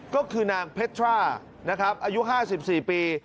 ก็คือนางเพชทรานะครับอายุ๕๔ปี